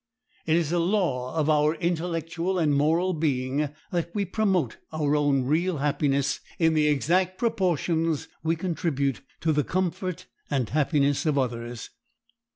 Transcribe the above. It is a law of our intellectual and moral being that we promote our own real happiness in the exact proportions we contribute to the comfort and happiness of others.